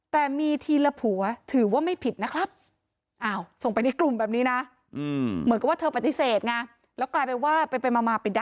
แต่มีทีละผัวถือว่าไม่ผิดนะครับ